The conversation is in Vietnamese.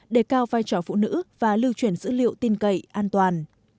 đề cao vai trò phụ nữ và lưu chuyển dữ liệu tin cậy an toàn